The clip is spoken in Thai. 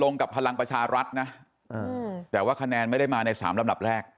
กับพลังประชารัฐนะแต่ว่าคะแนนไม่ได้มาในสามลำดับแรก